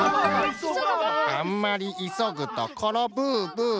あんまりいそぐところブーブー。